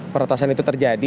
peretasan itu terjadi